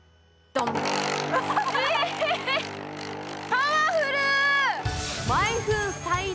パワフル！